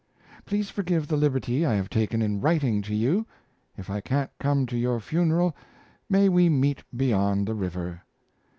Please forgive the liberty I have taken in writing to you. If I can't come to your funeral may we meet beyond the river.